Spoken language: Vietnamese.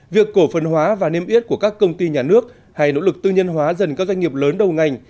việc cổ phần hóa và niêm yết của các công ty nhà nước hay nỗ lực tư nhân hóa dần các doanh nghiệp lớn đầu ngành